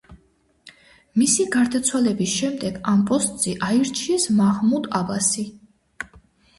მისი გარდაცვალების შემდეგ ამ პოსტზე აირჩიეს მაჰმუდ აბასი.